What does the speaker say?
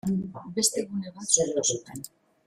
Beste gune bat sortu zuten.